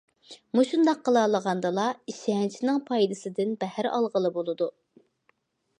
مۇشۇنداق قىلالىغاندىلا، ئىشەنچنىڭ پايدىسىدىن بەھر ئالغىلى بولىدۇ.